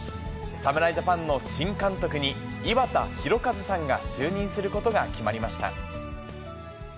侍ジャパンの新監督に、井端弘和さんが就任することが決まりました。